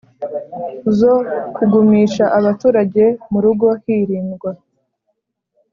zo kugumisha abaturage mu rugo hirindwa